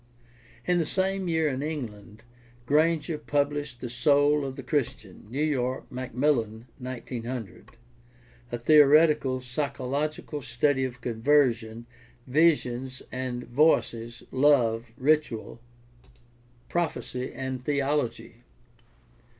In PRACTICAL THEOLOGY 665 the same year in England Granger published The Soul of the Christian (New York: Macmillan, 1900), a theoretical psy chological study of conversion, visions and voices, love, ritual, prophecy, and theology.